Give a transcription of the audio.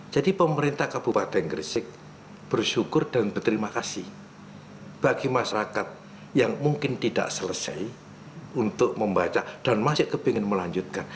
jadi pemerintah kabupaten gresik bersyukur dan berterima kasih bagi masyarakat yang mungkin tidak selesai untuk membaca dan masih kepingin melanjutkan